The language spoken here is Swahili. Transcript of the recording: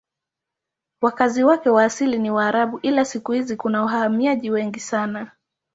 Wakazi wake wa asili ni Waarabu ila siku hizi kuna wahamiaji wengi sana.